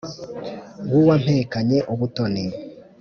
w’uwampekanye ubutoni